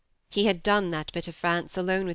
He had done that bit of France alone with M.